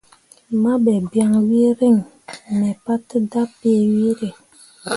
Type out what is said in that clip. Mahɓe biaŋ wee reŋ mi pate dapii weere.